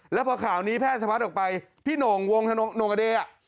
แล้วพอข่าวนี้แพร่สะพัดออกไปพี่โหน่งวงโน่งกระเดอ่ะ